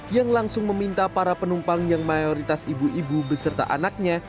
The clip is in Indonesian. yang langsung meminta para penumpang yang mayoritas ibu ibu beserta anaknya